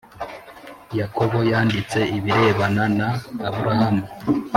Yakobo yanditse ibirebana na Aburahamu